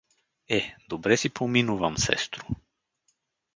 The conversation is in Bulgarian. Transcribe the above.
— Е, добре си поминувам, сестро.